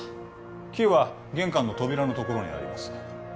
キーは玄関の扉のところにあります